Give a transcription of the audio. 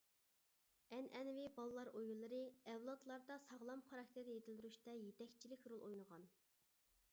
ئەنئەنىۋى بالىلار ئويۇنلىرى ئەۋلادلاردا ساغلام خاراكتېر يېتىلدۈرۈشتە يېتەكچىلىك رول ئوينىغان.